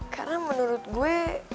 karena menurut gue